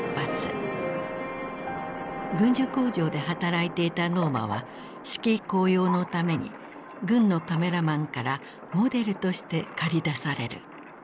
軍需工場で働いていたノーマは士気高揚のために軍のカメラマンからモデルとして駆り出される。